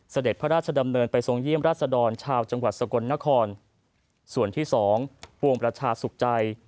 เสด็จพระราชดำเนินไปทรงเยี่ยมราชดรชาวจังหวัดสกลนครส่วนที่สองปวงประชาสุขใจ